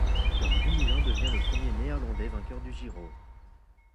Tom Dumoulin devient le premier Néerlandais vainqueur du Giro.